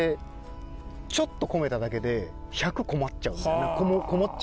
ちょっとこめただけで１００こもっちゃうみたいな。